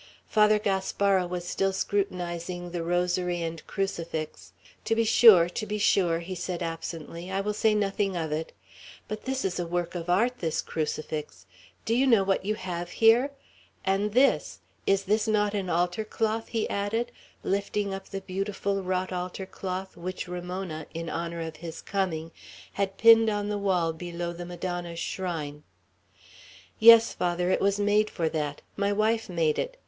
Father Gaspara was still scrutinizing the rosary and crucifix. "To be sure, to be sure," he said absently; "I will say nothing of it; but this is a work of art, this crucifix; do you know what you have here? And this, is this not an altar cloth?" he added, lifting up the beautiful wrought altar cloth, which Ramona, in honor of his coming, had pinned on the wall below the Madonna's shrine. "Yes, Father, it was made for that. My wife made it.